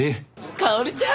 薫ちゃん